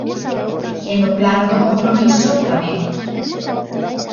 E no plano do compromiso, tamén.